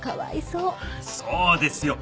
そうですよ